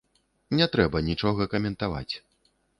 Не трэба нічога каментаваць.